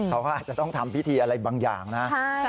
เขาก็อาจจะต้องทำพิธีอะไรบางอย่างนะ